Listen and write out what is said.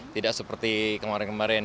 tidak seperti kemarin kemarin